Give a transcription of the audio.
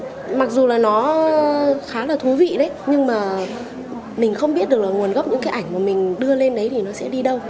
thì mặc dù là nó khá là thú vị đấy nhưng mà mình không biết được là nguồn gốc những cái ảnh mà mình đưa lên đấy thì nó sẽ đi đâu